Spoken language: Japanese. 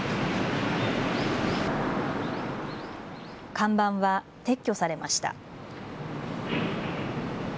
看板は撤去されました。